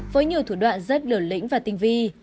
với nhiều thủ đoạn rất liều lĩnh và tinh vi